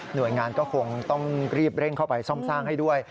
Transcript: โดยงานก็คงต้องรีบเร่งเข้าไปซ่อมสร้างให้ด้วย